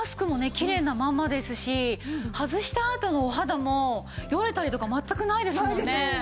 きれいなままですし外したあとのお肌もよれたりとか全くないですもんね。